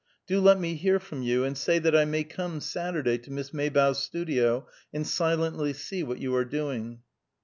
Do let me hear from you, and say that I may come Saturday to Miss Maybough's studio, and silently see what you are doing."